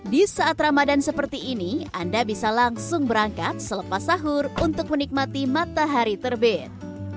di saat ramadan seperti ini anda bisa langsung berangkat selepas sahur untuk menikmati matahari terbit